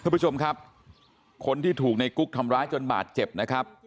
คุณผู้ชมครับคนที่ถูกในกุ๊กทำร้ายจนบาดเจ็บนะครับ